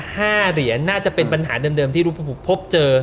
ห้าเหรียญน่าจะเป็นปัญหาเดิมที่รูปพบเจอ